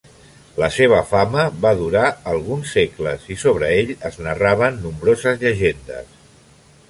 La seva fama va durar alguns segles, i sobre ell es narraven nombroses llegendes.